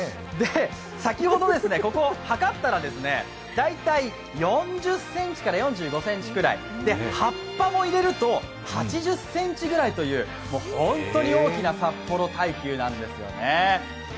先ほど計ったら、大体４０ｃｍから４５ｃｍぐらい葉っぱも入れると８０ｃｍぐらいという本当に大きな札幌大球なんですね。